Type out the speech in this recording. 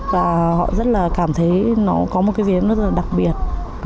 và họ rất là cảm thấy nó có một cái giếng rất là đặc biệt